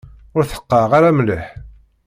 Ur tḥeqqeɣ ara mliḥ.